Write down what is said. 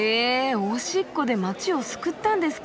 おしっこで街を救ったんですか。